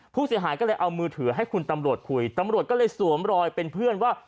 ผู้เสียหายก็เลยเอามือถือให้คุณตำรวจคุยตำรวจก็เลยสวมรอยเป็นเพื่อนว่า